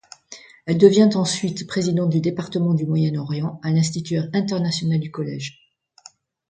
Elle devient ensuite présidente du département du Moyen-Orient à l'Institut international du collège.